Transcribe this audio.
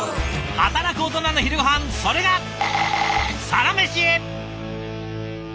働くオトナの昼ごはんそれが「サラメシ」。